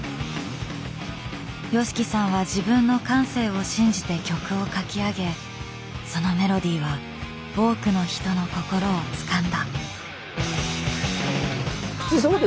ＹＯＳＨＩＫＩさんは自分の感性を信じて曲を書き上げそのメロディーは多くの人の心をつかんだ。